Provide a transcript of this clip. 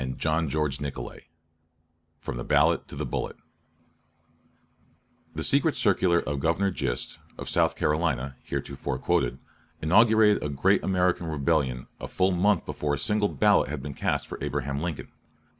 CHAPTER XIX FROM THE BALLOT TO THE BULLET The secret circular of Governor Gist, of South Carolina, heretofore quoted, inaugurated the great American Rebellion a full month before a single ballot had been cast for Abraham Lincoln.